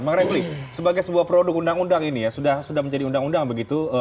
bang refli sebagai sebuah produk undang undang ini ya sudah menjadi undang undang begitu